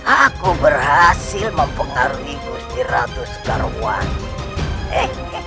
aku berhasil mempengaruhi gusti ratu skarwani